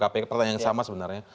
pertanyaan yang sama sebenarnya